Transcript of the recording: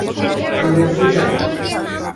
আমরা কী চাই?